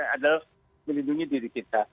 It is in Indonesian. adalah melindungi diri kita